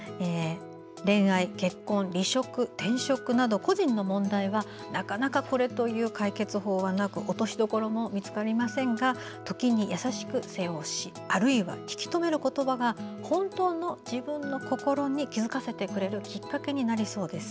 恋愛、結婚、離職、転職など個人の問題はなかなかこれという解決法はなく落としどころも見つかりませんが時に優しく背を押しあるいは引き止める言葉が本当の自分の心に気づかせてくれるきっかけになりそうです。